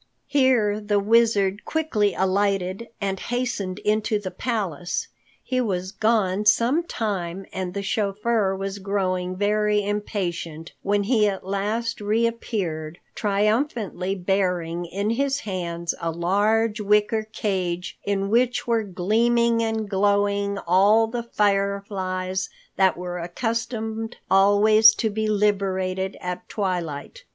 Here the Wizard quickly alighted and hastened into the palace. He was gone some time and the chauffeur was growing very impatient when he at last reappeared, triumphantly bearing in his hands a large wicker cage in which were gleaming and glowing all the fireflies that were accustomed always to be liberated at twilight.